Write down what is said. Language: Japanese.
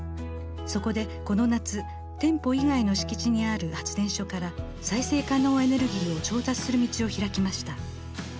そこでこの夏店舗以外の敷地にある発電所から再生可能エネルギーを調達する道を開きました。